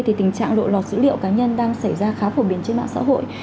thì tình trạng lộ lọt dữ liệu cá nhân đang xảy ra khá phổ biến trên mạng xã hội